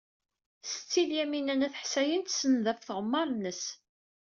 Setti Lyamina n At Ḥsayen tsenned ɣef tɣemmar-nnes.